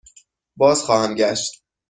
بازخواهم گشت.